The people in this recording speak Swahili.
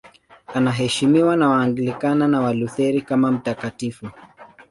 Anaheshimiwa na Waanglikana na Walutheri kama mtakatifu.